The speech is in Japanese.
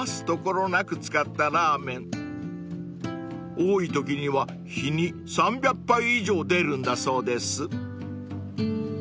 ［多いときには日に３００杯以上出るんだそうです］